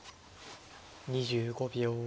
２５秒。